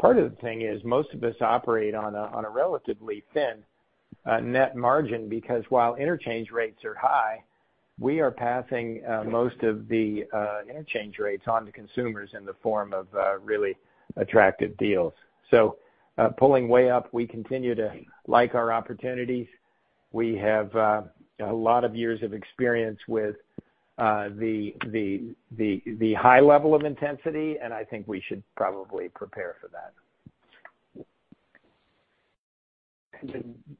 Speaker 4: Part of the thing is most of us operate on a relatively thin net margin because while interchange rates are high, we are passing most of the interchange rates onto consumers in the form of really attractive deals. Pulling way up, we continue to like our opportunities. We have a lot of years of experience with the high level of intensity, and I think we should probably prepare for that.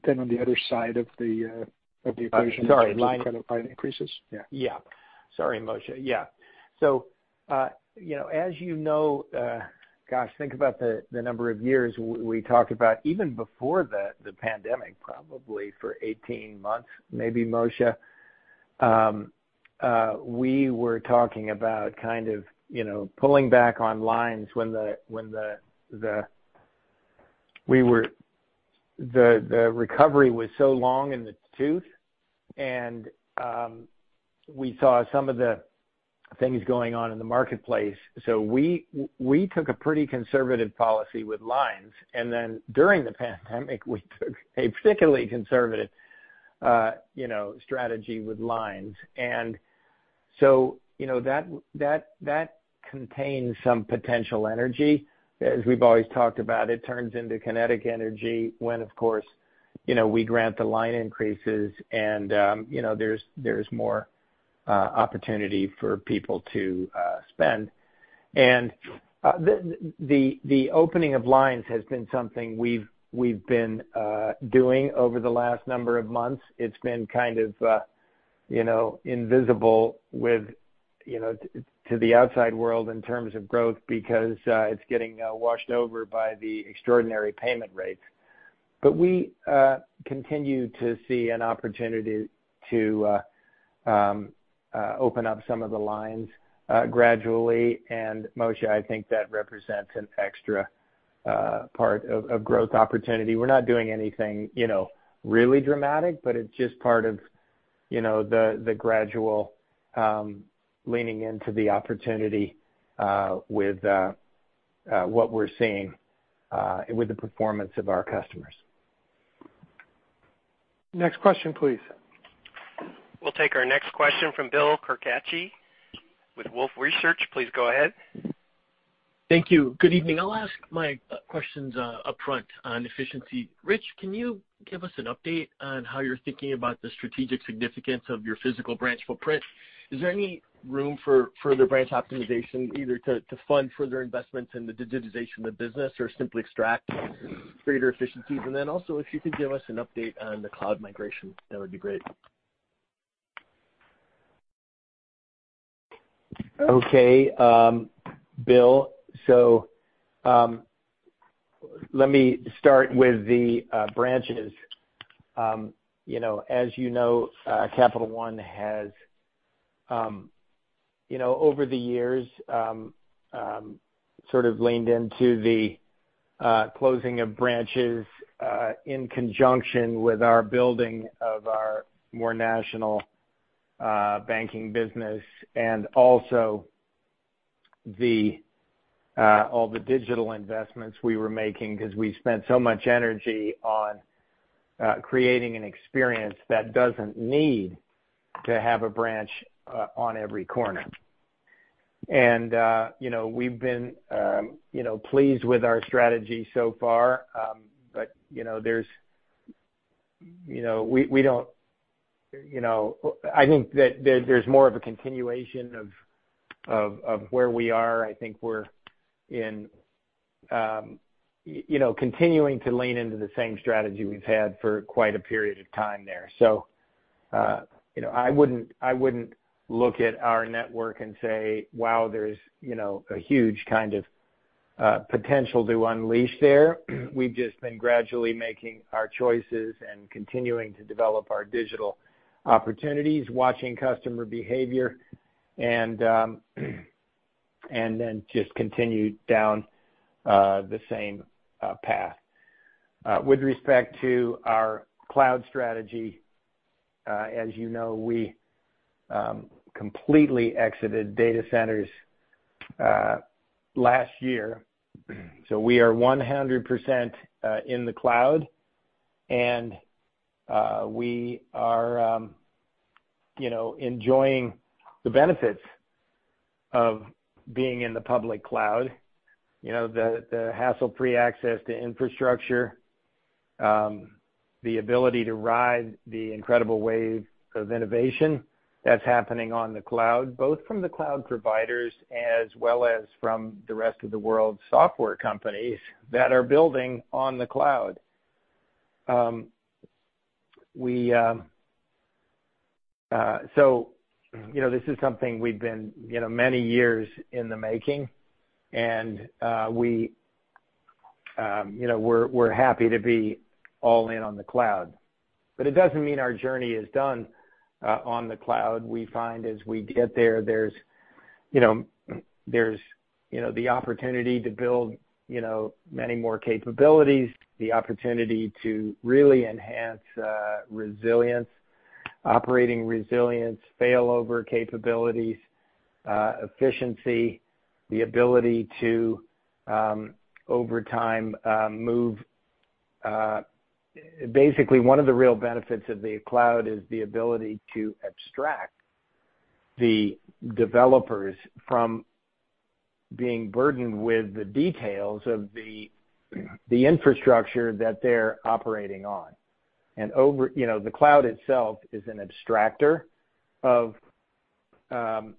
Speaker 10: Then on the other side of the equation-
Speaker 4: Sorry.
Speaker 10: -in terms of credit line increases. Yeah.
Speaker 4: Sorry, Moshe. As you know, gosh, think about the number of years we talked about even before the pandemic, probably for 18 months maybe, Moshe. We were talking about kind of pulling back on lines when the recovery was so long in the tooth, and we saw some of the things going on in the marketplace. We took a pretty conservative policy with lines. During the pandemic, we took a particularly conservative strategy with lines. That contains some potential energy. As we've always talked about, it turns into kinetic energy when, of course, we grant the line increases and there's more opportunity for people to spend. The opening of lines has been something we've been doing over the last number of months. It's been kind of invisible to the outside world in terms of growth because it's getting washed over by the extraordinary payment rates. We continue to see an opportunity to open up some of the lines gradually. Moshe, I think that represents an extra part of growth opportunity. We're not doing anything really dramatic, but it's just part of the gradual leaning into the opportunity with what we're seeing with the performance of our customers.
Speaker 2: Next question, please.
Speaker 1: We'll take our next question from Bill Carcache with Wolfe Research. Please go ahead.
Speaker 11: Thank you. Good evening. I'll ask my questions upfront on efficiency. Rich, can you give us an update on how you're thinking about the strategic significance of your physical branch footprint? Is there any room for further branch optimization, either to fund further investments in the digitization of the business or simply extract greater efficiencies? If you could give us an update on the cloud migration, that would be great.
Speaker 4: Okay, Bill, let me start with the branches. As you know, Capital One has over the years sort of leaned into the closing of branches in conjunction with our building of our more national banking business and also all the digital investments we were making because we spent so much energy on creating an experience that doesn't need to have a branch on every corner. We've been pleased with our strategy so far. I think that there's more of a continuation of where we are. I think we're continuing to lean into the same strategy we've had for quite a period of time there. I wouldn't look at our network and say, wow, there's a huge kind of potential to unleash there. We've just been gradually making our choices and continuing to develop our digital opportunities, watching customer behavior, and then just continue down the same path. With respect to our cloud strategy, as you know, we completely exited data centers last year. We are 100% in the cloud, and we are enjoying the benefits of being in the public cloud. The hassle-free access to infrastructure, the ability to ride the incredible wave of innovation that's happening on the cloud, both from the cloud providers as well as from the rest of the world's software companies that are building on the cloud. This is something we've been many years in the making, and we're happy to be all in on the cloud. It doesn't mean our journey is done on the cloud. We find as we get there's the opportunity to build many more capabilities, the opportunity to really enhance resilience, operating resilience, failover capabilities, efficiency, the ability to, over time, move. Basically, one of the real benefits of the cloud is the ability to abstract the developers from being burdened with the details of the infrastructure that they're operating on. The cloud itself is an abstractor of the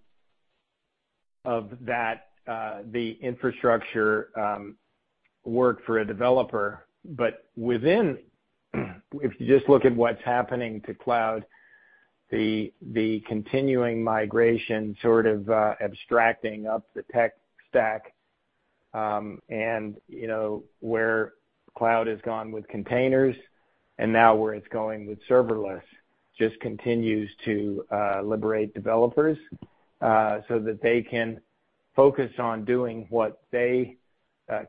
Speaker 4: infrastructure work for a developer. If you just look at what's happening to cloud, the continuing migration sort of abstracting up the tech stack, and where cloud has gone with containers and now where it's going with serverless just continues to liberate developers so that they can focus on doing what they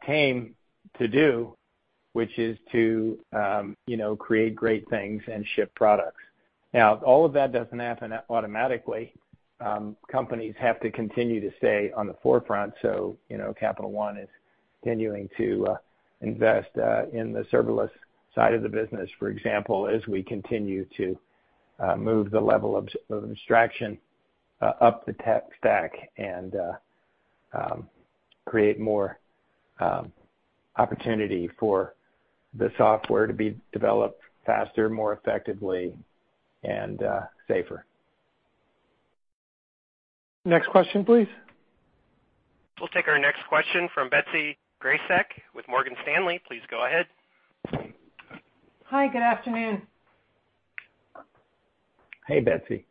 Speaker 4: came to do, which is to create great things and ship products. Now, all of that doesn't happen automatically. Companies have to continue to stay on the forefront. Capital One is continuing to invest in the serverless side of the business, for example, as we continue to move the level of abstraction up the tech stack and create more opportunity for the software to be developed faster, more effectively, and safer.
Speaker 2: Next question, please.
Speaker 1: We'll take our next question from Betsy Graseck with Morgan Stanley. Please go ahead.
Speaker 12: Hi, good afternoon.
Speaker 4: Hey, Betsy.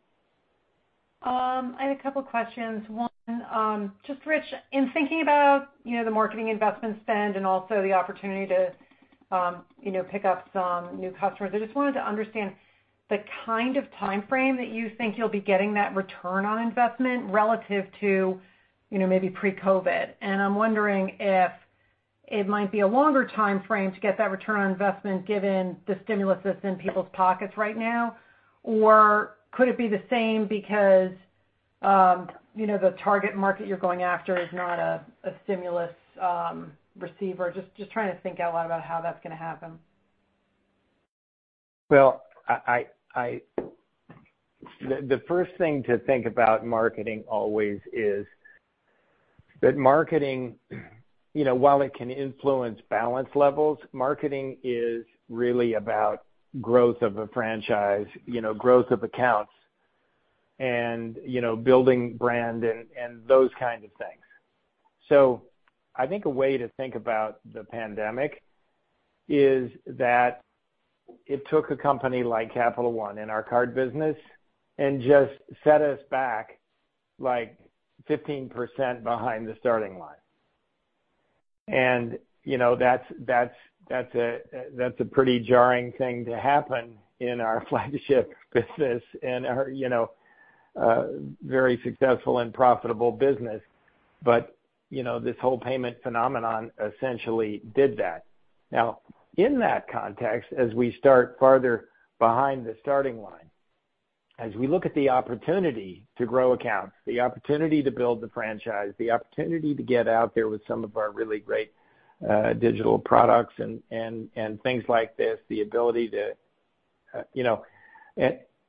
Speaker 12: I had a couple questions. Just Rich, in thinking about the marketing investment spend and also the opportunity to pick up some new customers, I just wanted to understand the kind of timeframe that you think you'll be getting that return on investment relative to maybe pre-COVID. I'm wondering if it might be a longer timeframe to get that return on investment given the stimulus that's in people's pockets right now. Could it be the same because the target market you're going after is not a stimulus receiver? Just trying to think out loud about how that's going to happen.
Speaker 4: The first thing to think about marketing always is that marketing, while it can influence balance levels, marketing is really about growth of a franchise, growth of accounts and building brand and those kinds of things. I think a way to think about the pandemic is that it took a company like Capital One and our card business and just set us back like 15% behind the starting line. That's a pretty jarring thing to happen in our flagship business and our very successful and profitable business. This whole payment phenomenon essentially did that. In that context, as we start farther behind the starting line, as we look at the opportunity to grow accounts, the opportunity to build the franchise, the opportunity to get out there with some of our really great digital products and things like this.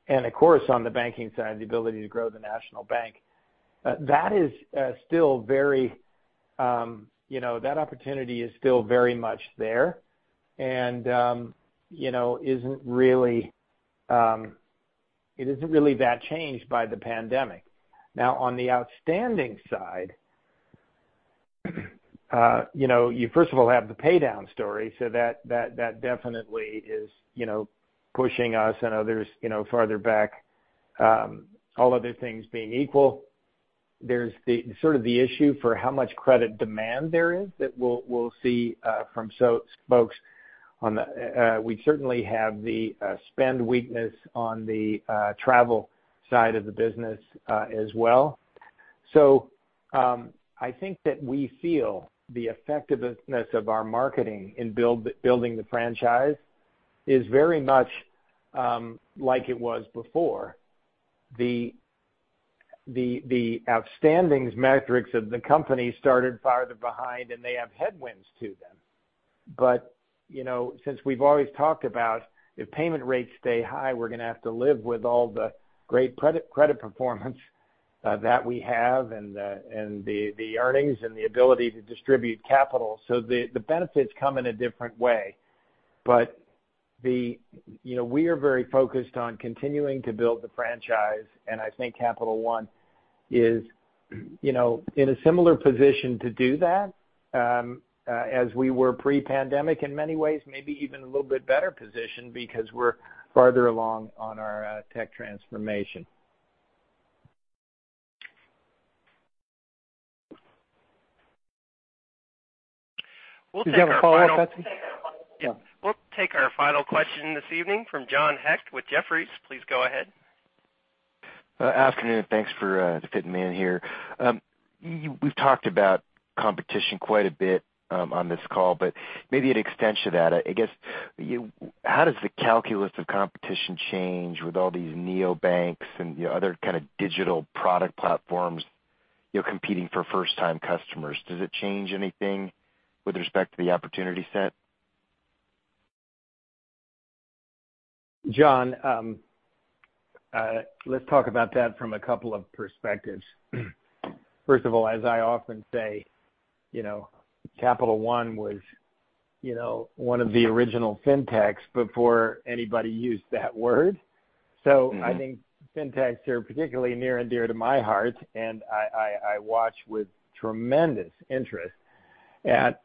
Speaker 4: Of course, on the banking side, the ability to grow the national bank. That opportunity is still very much there, and it isn't really that changed by the pandemic. On the outstanding side, you first of all have the pay down story. That definitely is pushing us and others farther back. All other things being equal, there's the sort of the issue for how much credit demand there is that we'll see from folks. We certainly have the spend weakness on the travel side of the business as well. I think that we feel the effectiveness of our marketing in building the franchise is very much like it was before. The outstandings metrics of the company started farther behind, and they have headwinds to them. Since we've always talked about if payment rates stay high, we're going to have to live with all the great credit performance that we have and the earnings and the ability to distribute capital. The benefits come in a different way. We are very focused on continuing to build the franchise, and I think Capital One is in a similar position to do that as we were pre-pandemic in many ways, maybe even a little bit better positioned because we're farther along on our tech transformation.
Speaker 1: We'll take our final-
Speaker 2: Did you have a follow-up, Betsy?
Speaker 1: Yeah. We'll take our final question this evening from John Hecht with Jefferies. Please go ahead.
Speaker 13: Afternoon. Thanks for fitting me in here. We've talked about competition quite a bit on this call, maybe an extension to that. I guess, how does the calculus of competition change with all these neobanks and other kind of digital product platforms competing for first-time customers? Does it change anything with respect to the opportunity set?
Speaker 4: John, let's talk about that from a couple of perspectives. First of all, as I often say, Capital One was one of the original Fintechs before anybody used that word. I think Fintechs are particularly near and dear to my heart, and I watch with tremendous interest at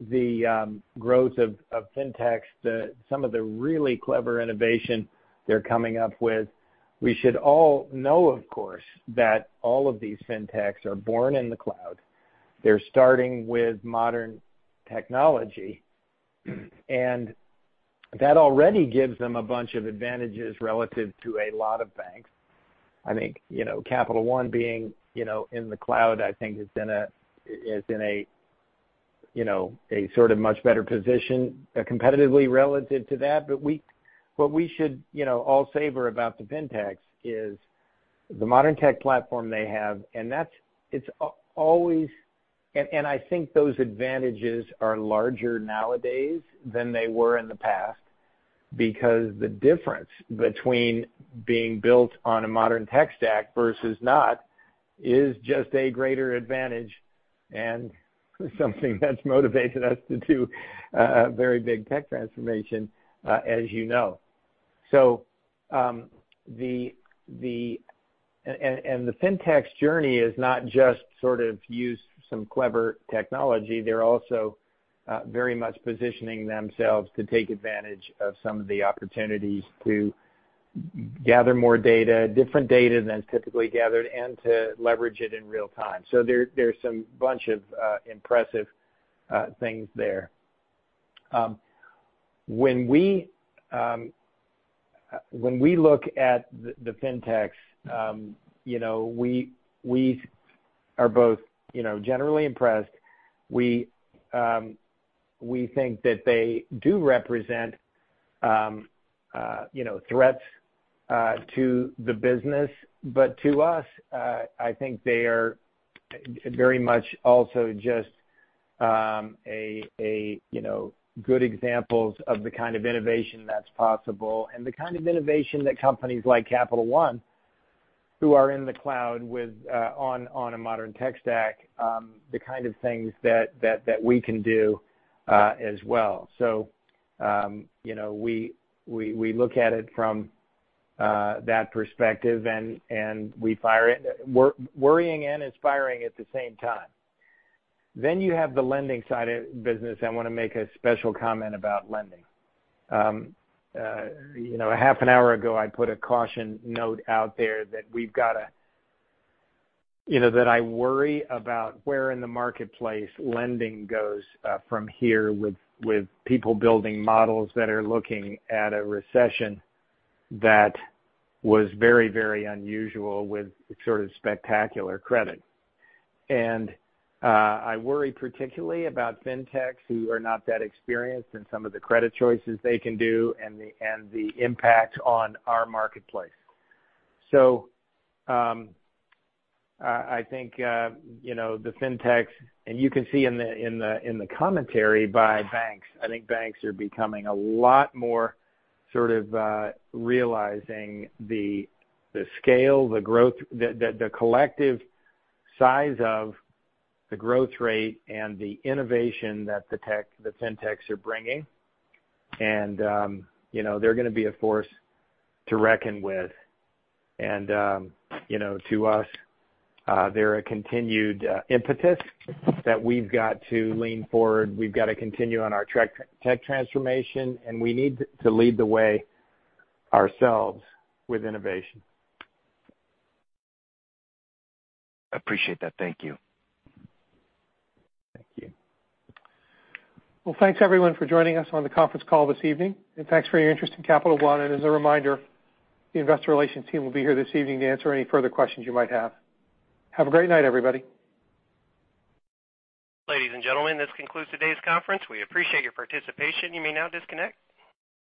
Speaker 4: the growth of Fintechs, some of the really clever innovation they're coming up with. We should all know, of course, that all of these Fintechs are born in the cloud. They're starting with modern technology. That already gives them a bunch of advantages relative to a lot of banks. I think Capital One being in the cloud, I think is in a sort of much better position competitively relative to that. What we should all savor about the Fintechs is the modern tech platform they have. I think those advantages are larger nowadays than they were in the past because the difference between being built on a modern tech stack versus not is just a greater advantage and something that's motivated us to do a very big tech transformation, as you know. The Fintechs' journey is not just sort of use some clever technology. They're also very much positioning themselves to take advantage of some of the opportunities to gather more data, different data than typically gathered, and to leverage it in real time. There's some bunch of impressive things there. When we look at the Fintechs, we are both generally impressed. We think that they do represent threats to the business. To us, I think they are very much also just good examples of the kind of innovation that's possible and the kind of innovation that companies like Capital One, who are in the cloud on a modern tech stack, the kind of things that we can do as well. We look at it from that perspective, worrying and inspiring at the same time. You have the lending side of the business. I want to make a special comment about lending. A half an hour ago, I put a caution note out there that I worry about where in the marketplace lending goes from here with people building models that are looking at a recession that was very unusual with sort of spectacular credit. I worry particularly about Fintechs who are not that experienced in some of the credit choices they can do and the impact on our marketplace. I think the Fintechs, and you can see in the commentary by banks. I think banks are becoming a lot more sort of realizing the scale, the growth, the collective size of the growth rate, and the innovation that the Fintechs are bringing. They're going to be a force to reckon with. To us, they're a continued impetus that we've got to lean forward. We've got to continue on our tech transformation, and we need to lead the way ourselves with innovation.
Speaker 13: I appreciate that. Thank you.
Speaker 4: Thank you.
Speaker 2: Well, thanks everyone for joining us on the conference call this evening, and thanks for your interest in Capital One. As a reminder, the investor relations team will be here this evening to answer any further questions you might have. Have a great night, everybody.
Speaker 1: Ladies and gentlemen, this concludes today's conference. We appreciate your participation. You may now disconnect.